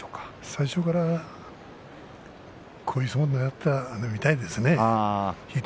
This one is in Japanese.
最初からこういう相撲をねらっていたみたいですね。